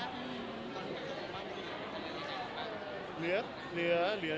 อเจมส์มีแล้ว